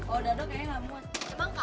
oh dadok kayaknya nggak muat